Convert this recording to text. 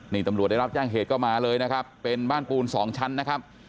นี่ตำรวจได้รับแจ้งเหตุก็มาเลยนะครับเป็นบ้านปูนสองชั้นนะครับ